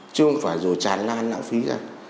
chứ không phải rồi tràn lan nặng phí ra